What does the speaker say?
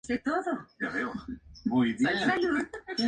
El número de colaboradores es entonces muy reducido.